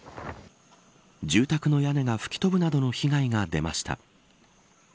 住宅の屋根が吹き飛ぶなどの被害が出ました。